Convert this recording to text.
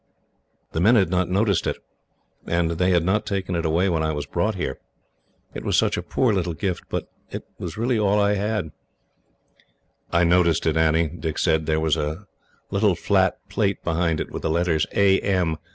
The men had not noticed it, and they had not taken it away when I was brought here. It was such a poor little gift, but it was all I had." "I noticed it, Annie," Dick said; "there was a little flat plate behind it, with the letters 'A. M.'